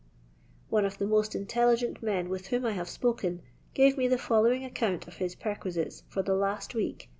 Oue of the most intelligent men with whom I have *p»ken, gave me the following account of his per J^ifites for the last week, viz.